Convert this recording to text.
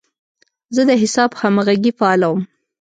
زه د حساب همغږي فعالوم.